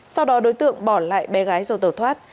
sau đó đối tượng bỏ lại bé gái rồi tẩu thoát